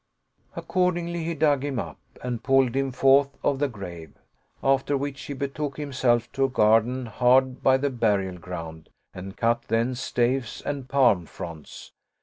Accordingly, he dug him 184 The Duel of the Two Sharpers up and pulled him forth of the grave ; after which he betook himself to a garden hard by the burial ground and cut thence staves and palm fronds.